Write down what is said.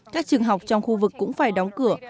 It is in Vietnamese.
các trường học trong khu vực cũng phải đóng cửa